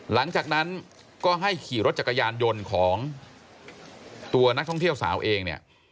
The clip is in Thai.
หลังจากนั้นก็ให้ขี่รถจักรยานยนต์ของตัวนักท่องเที่ยวสาวเองเนี่ย